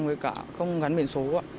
với cả không gắn biển số